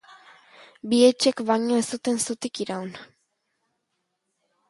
Bi etxek baino ez zuten zutik iraun.